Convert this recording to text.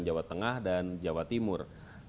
jawa tengah dan jawa timur